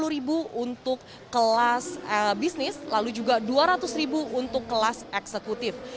satu ratus lima puluh ribu untuk kelas bisnis lalu juga dua ratus ribu untuk kelas eksekutif